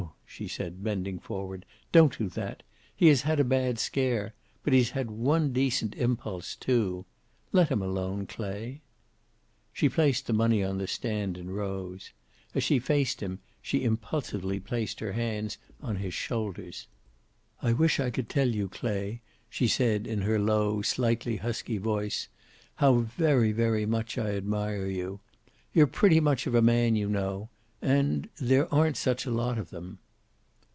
she said, bending forward. "Don't do that. He has had a bad scare. But he's had one decent impulse, too. Let him alone, Clay." She placed the money on the stand, and rose. As she faced him, she impulsively placed her hands on his shoulders. "I wish I could tell you, Clay," she said, in her low, slightly husky voice, "how very, very much I admire you. You're pretty much of a man, you know. And there aren't such a lot of them."